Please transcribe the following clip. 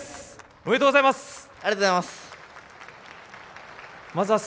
おめでとうございます！